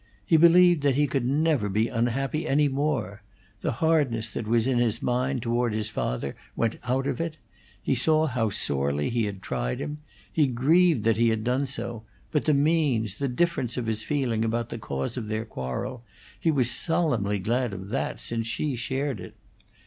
He believed that he could never be unhappy any more; the hardness that was in his mind toward his father went out of it; he saw how sorely he had tried him; he grieved that he had done it, but the means, the difference of his feeling about the cause of their quarrel, he was solemnly glad of that since she shared it.